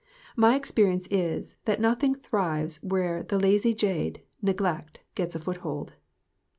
My experience is, that noth ing thrives where the lazy jade, neglect, gets a foothold.